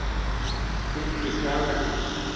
কুট্টি, খেয়াল রাখিস।